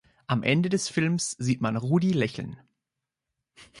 Am Ende des Films sieht man Rudy lächeln.